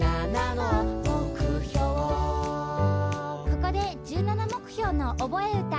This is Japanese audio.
ここで「１７目標のおぼえうた」。